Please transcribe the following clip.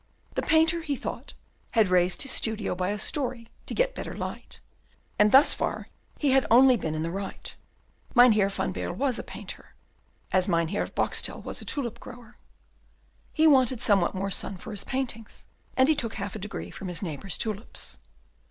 The painter, he thought, had raised his studio by a story to get better light, and thus far he had only been in the right. Mynheer van Baerle was a painter, as Mynheer Boxtel was a tulip grower; he wanted somewhat more sun for his paintings, and he took half a degree from his neighbour's tulips.